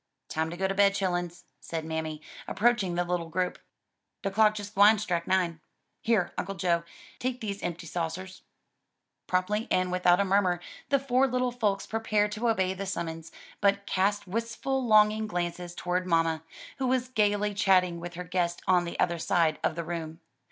"Time to go to bed, chillens," said mammy, approaching the little group, "de clock jes gwine strike nine. Here, Uncle Joe, take dese empty saucers." Promptly and without a murmur the four little folks prepared to obey the summons, but cast wistful longing glances toward mamma, who was gayly chatting with her guests on the other side of the room.